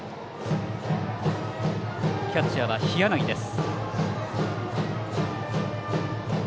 キャッチャーは日柳です。